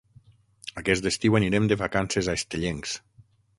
Aquest estiu anirem de vacances a Estellencs.